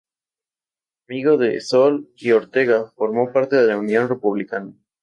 Amigo de Sol y Ortega, formó parte de la Unión Republicana.